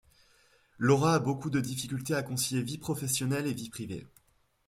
Laura a beaucoup de difficultés à concilier vie professionnelle et vie privée.